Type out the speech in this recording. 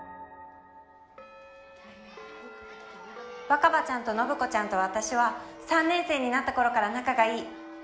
若葉ちゃんと信子ちゃんと私は３年生になった頃から仲が良い。